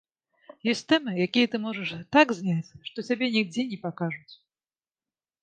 Ёсць тэмы, якія ты можаш так зняць, што цябе нідзе не пакажуць.